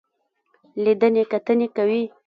لیدنې کتنې کوي.